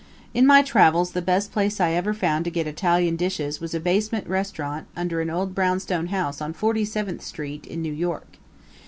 In my travels the best place I ever found to get Italian dishes was a basement restaurant under an old brownstone house on Forty seventh Street, in New York.